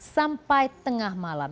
sampai tengah malam